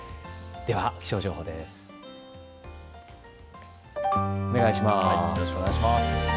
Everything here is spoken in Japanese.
では気象情報です。